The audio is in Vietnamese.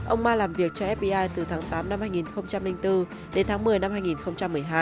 ông ma làm việc cho fbi từ tháng tám năm hai nghìn bốn đến tháng một mươi năm hai nghìn một mươi hai